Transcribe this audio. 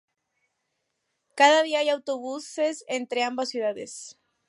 Cada día hay autobuses entre ambas ciudades.